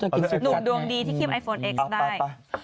หนุ่มดวงดีที่คิมไอโฟนเอ็กซ์ได้